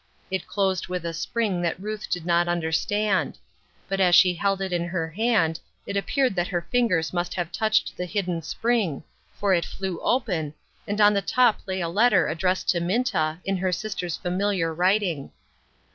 It closed with a spring that Ruth did not understand ; but as she held it in her hand, it appeared that her fingers must have touched the hidden spring, for it flew open, and on the top lay a letter addressed to Minta, in her sister's familiar writing.